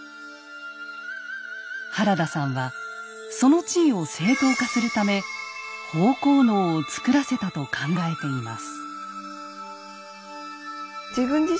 原田さんはその地位を正統化するため「豊公能」を作らせたと考えています。